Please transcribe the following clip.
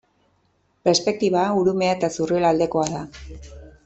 Perspektiba Urumea eta Zurriola aldekoa da.